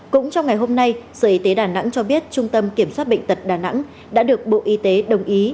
cũng trong ngày hôm nay sở y tế đà nẵng cho biết trung tâm kiểm soát bệnh tật đà nẵng đã được bộ y tế đồng ý